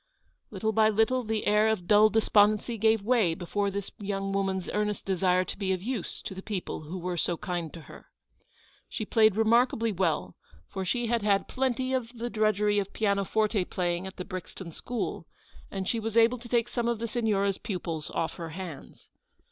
Little by little the air of dull despondency gave way before this young woman's earnest desire to be of use to the people who were so kind to her. She played remarkably well, for she had had plenty of the drudgery of pianoforte playing at the Brixton school, and she was able to take some of the Signora' s pupils off her hands.